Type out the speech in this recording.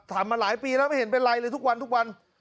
มาหลายปีแล้วไม่เห็นเป็นไรเลยทุกวันทุกวัน